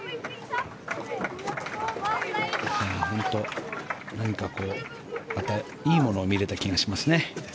本当にいいものを見れた気がしますね。